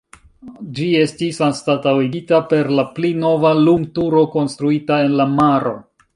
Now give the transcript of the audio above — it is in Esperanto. Ĝi estis anstataŭigita per la pli nova lumturo konstruita en la maro.